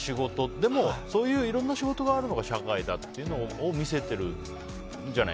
でも、そういういろんな仕事があるのが社会だっていうのを見せてるんじゃない？